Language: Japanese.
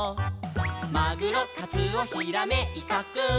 「マグロカツオヒラメイカくん」